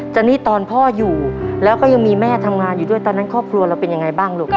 ตอนนี้ตอนพ่ออยู่แล้วก็ยังมีแม่ทำงานอยู่ด้วยตอนนั้นครอบครัวเราเป็นยังไงบ้างลูก